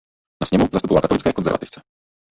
Na sněmu zastupoval katolické konzervativce.